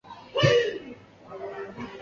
为丹霞地貌景观。